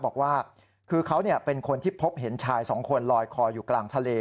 บอกว่าคือเขาเป็นคนที่พบเห็นชายสองคนลอยคออยู่กลางทะเล